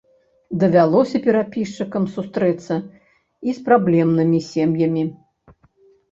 Давялося перапісчыкам сустрэцца і з праблемнымі сем'ямі.